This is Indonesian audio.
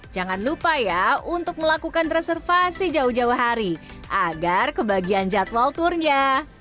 jangan lupa ya untuk melakukan reservasi jauh jauh hari agar kebagian jadwal turnya